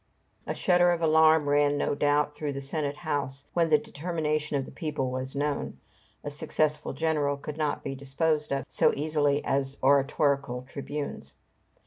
A shudder of alarm ran, no doubt, through the Senate house, when the determination of the people was known. A successful general could not be disposed of so easily as oratorical tribunes.